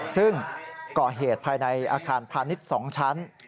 ซึ่งก่อเหตุภายในอาคารพาณิชย์๒ชั้น